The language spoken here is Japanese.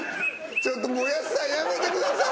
ちょっともう安さんやめてください。